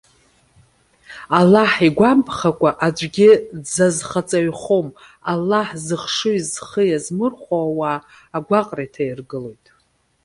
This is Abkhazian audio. Аллаҳ игәамԥхакәа аӡәгьы дзазхаҵаҩхом. Аллаҳ, зыхшыҩ зхы иазмырхәо ауаа агәаҟра иҭаиргылоит.